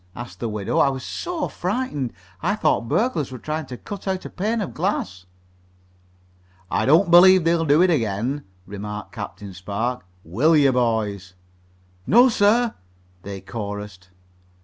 asked the widow. "I was so frightened. I thought burglars were trying to cut out a pane of glass." "I don't believe they'll do it again," remarked Captain Spark. "Will you, boys?" "No, sir," they chorused.